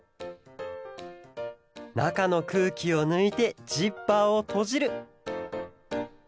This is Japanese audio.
なかのくうきをぬいてジッパーをとじる！